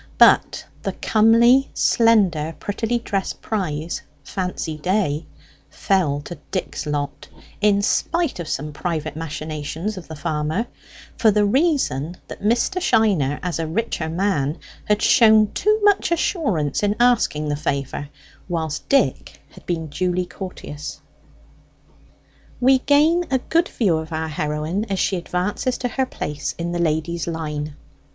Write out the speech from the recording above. But the comely, slender, prettily dressed prize Fancy Day fell to Dick's lot, in spite of some private machinations of the farmer, for the reason that Mr. Shiner, as a richer man, had shown too much assurance in asking the favour, whilst Dick had been duly courteous. We gain a good view of our heroine as she advances to her place in the ladies' line.